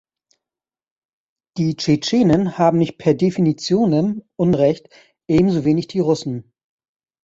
Die Tschetschenen haben nicht per definitionem Unrecht, ebenso wenig die Russen.